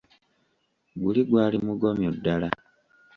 Guli gwali mugomyo ddala!